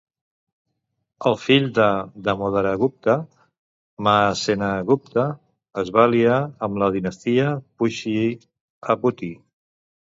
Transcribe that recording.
El fill de Damodaragupta, Mahasenagupta, es va aliar amb la dinastia Pushyabhuti.